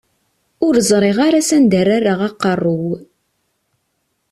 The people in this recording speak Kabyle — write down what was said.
Ur ẓriɣ ara s anda ara rreɣ aqerru-w.